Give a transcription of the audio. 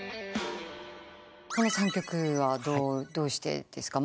この３曲はどうしてですか？